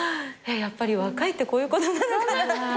やっぱり若いってこういうことなのかなって。